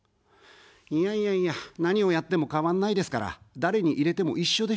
いやいやいや、何をやっても変わんないですから、誰に入れても一緒でしょ。